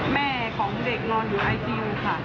แม่ของเด็กนอนอยู่ไอจีค่ะ